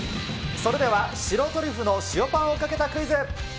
それでは白トリュフの塩パンをかけたクイズ。